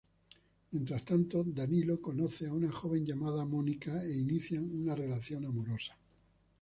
Mientras, Danilo conoce a una joven llamada Mónica e inician una relación amorosa.